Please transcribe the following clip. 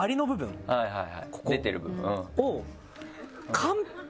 出てる部分。